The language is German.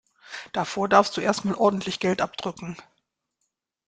Davor darfst du erst mal ordentlich Geld abdrücken.